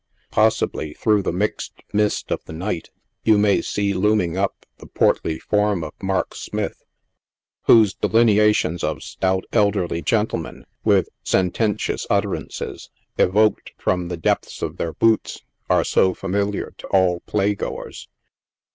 Possibly, through the mixed mist of the night, you may see looming up the portly form of Mark Smith, whose delineations of stout elderly gen tlemen, with sententious utterances, evoked from the depths of their boots, are so familiar to all play goers.